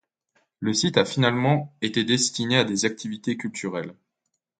Le site a finalement été destiné à des activités culturelles.